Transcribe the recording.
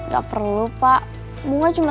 gak perlu pak bunga cuma